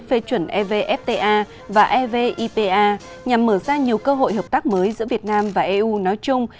phê chuẩn evfta và evipa nhằm mở ra nhiều cơ hội hợp tác mới giữa việt nam và eu nói chung